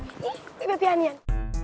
ini pilih pianian